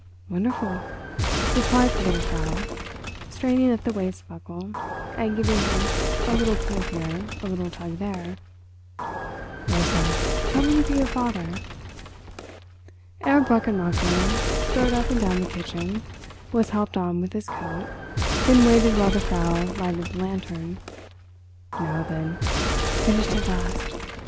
"Wonderful," replied the little Frau, straining at the waist buckle and giving him a little pull here, a little tug there. "Rosa, come and look at your father." Herr Brechenmacher strode up and down the kitchen, was helped on with his coat, then waited while the Frau lighted the lantern. "Now, then—finished at last!